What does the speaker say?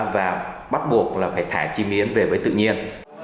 và bắt buộc là phải thả chim yến về với tự nhiên